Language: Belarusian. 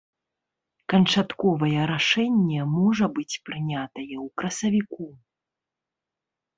Канчатковае рашэнне можа быць прынятае ў красавіку.